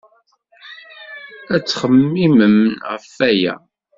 Ad txemmemem ɣef waya.